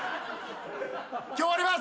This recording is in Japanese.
今日終わります。